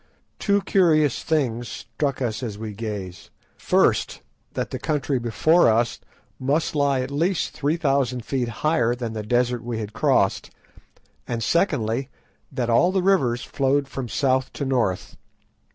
Two curious things struck us as we gazed. First, that the country before us must lie at least three thousand feet higher than the desert we had crossed, and secondly, that all the rivers flowed from south to north.